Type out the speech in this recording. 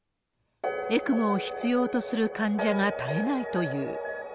ＥＣＭＯを必要とする患者が絶えないという。